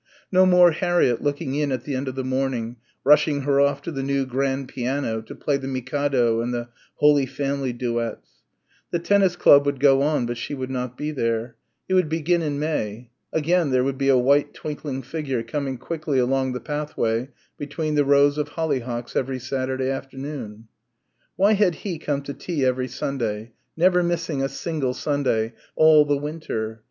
no more Harriett looking in at the end of the morning, rushing her off to the new grand piano to play the "Mikado" and the "Holy Family" duets. The tennis club would go on, but she would not be there. It would begin in May. Again there would be a white twinkling figure coming quickly along the pathway between the rows of holly hocks every Saturday afternoon. Why had he come to tea every Sunday never missing a single Sunday all the winter?